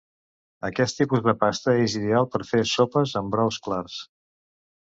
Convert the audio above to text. Aquest tipus de pasta és ideal per fer sopes amb brous clars.